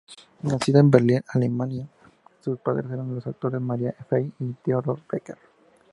Nacida en Berlín, Alemania, sus padres eran los actores Maria Fein y Theodor Becker.